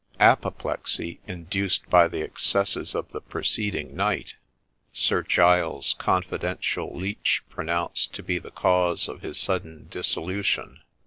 Apo plexy, induced by the excesses of the preceding night, Sir Giles's confidential leech pronounced to be the cause of his sudden dissolution.